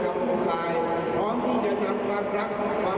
มาสู่ประเทศไทยของเรา